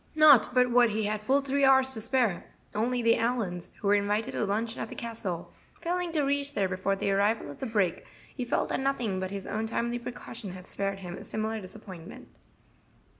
Not but what he had full three hours to spare, only the Allyns, who were invited to luncheon at the Castle, failing to reach there before the arrival of the brake, he felt that nothing but his own timely precaution had spared him a similar disappointment.